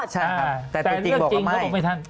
แต่ในเรื่องจริงเขาตกไม่ทัน